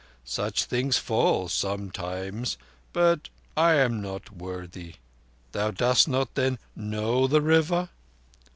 Such things fall sometimes—but I am not worthy. Thou dost not, then, know the River?"